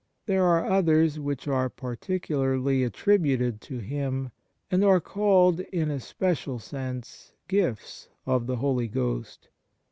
There are others which are particularly attributed to Him, and are called in a special sense gifts of the Holy Ghost.